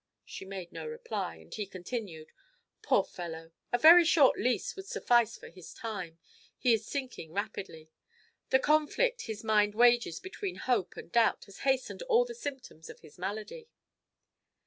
She made no reply, and he continued: "Poor fellow! a very short lease would suffice for his time; he is sinking rapidly. The conflict his mind wages between hope and doubt has hastened all the symptoms of his malady."